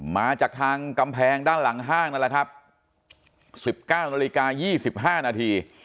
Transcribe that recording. มาจากทางกำแพงด้านหลังห้างนั่นแหละครับ๑๙นาฬิกา๒๕นาที